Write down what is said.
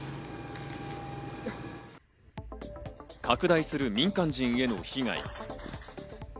拡大する民間人への被害。